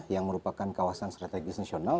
yang merupakan kawasan strategis nasional